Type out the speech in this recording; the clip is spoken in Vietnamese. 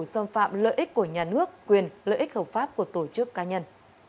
xâm phạm lợi ích của nhà nước quyền lợi ích hợp pháp của tổ chức cá nhân